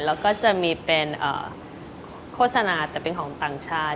แล้วก็จะมีเป็นโฆษณาแต่เป็นของต่างชาติ